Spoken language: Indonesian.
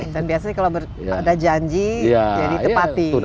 dan biasanya kalau ada janji ya ditepati